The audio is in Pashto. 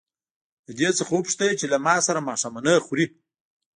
له دې څخه وپوښته چې له ما سره ماښامنۍ خوري.